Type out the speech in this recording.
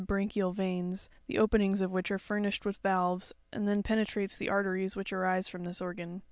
branchial veins (vb), the openings of which are furnished with valves, and then penetrates the arteries which arise from this organ.